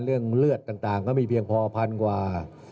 เลือดต่างก็มีเพียงพอพันกว่า